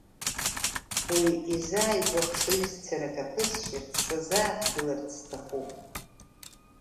Уи изааигәо хшыҩзцарак аԥысшьырц, сазааҭгыларц сҭахуп.